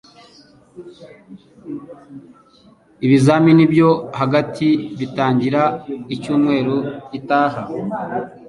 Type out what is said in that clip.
Ibizamini byo hagati bitangira icyumweru gitaha.